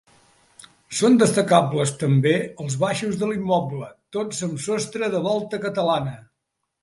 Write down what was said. Són destacables també els baixos de l'immoble, tots amb sostre de volta catalana.